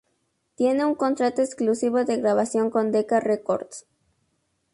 Tiene un contrato exclusivo de grabación con Decca Records.